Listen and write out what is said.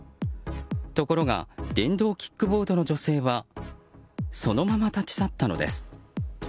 ところが電動キックボードの女性はそのまま立ち去ったのです。